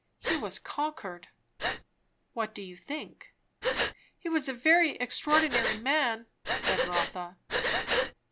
He was conquered. "What do you think?" "He was a very extraordinary man!" said Rotha.